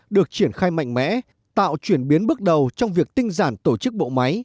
được triển khai mạnh mẽ tạo chuyển biến bước đầu trong việc tinh giản tổ chức bộ máy